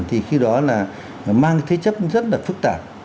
thì khi đó là mang cái thế chấp rất là phức tạp